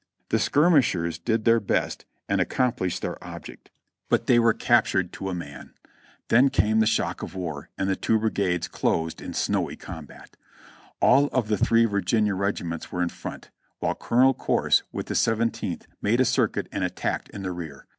The skirm ishers did their best and accomplished their object, but they were 330 JOHNNY REB AND BILLY YANK captured to a man. Then came the shock of war, and the two brigades closed in snowy combat. All of the three Virginia regi ments were in front, while Colonel Corse, with the Seventeenth, made a circuit and attacked in the rear.